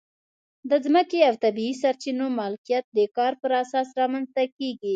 د ځمکې او طبیعي سرچینو مالکیت د کار پر اساس رامنځته کېږي.